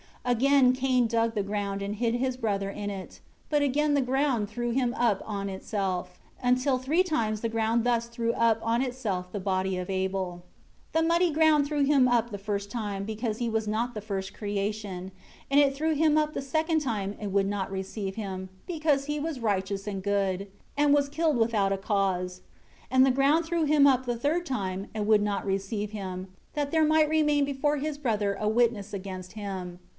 13 Again Cain dug the ground and hid his brother in it; but again the ground threw him up on itself; until three times the ground thus threw up on itself the body of Abel. 14 The muddy ground threw him up the first time, because he was not the first creation; and it threw him up the second time and would not receive him, because he was righteous and good, and was killed without a cause; and the ground threw him up the third time and would not receive him, that there might remain before his brother a witness against him.